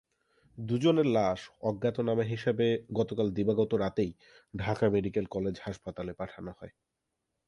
দুজনের লাশ অজ্ঞাতনামা হিসেবে গতকাল দিবাগত রাতেই ঢাকা মেডিকেল কলেজ হাসপাতালে পাঠানো হয়।